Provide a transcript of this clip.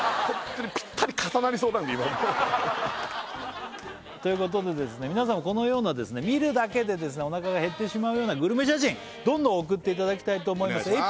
ホントに今もうということで皆さんもこのような見るだけでおなかが減ってしまうようなグルメ写真どんどん送っていただきたいと思います